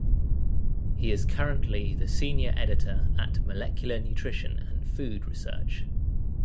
He is currently the senior editor at "Molecular Nutrition and Food Research".